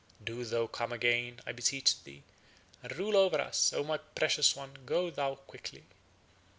Do thou come again, I beseech thee, and rule over us. O my precious one, go thou quietly."